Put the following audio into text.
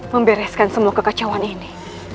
membereskan semua kekacauan ini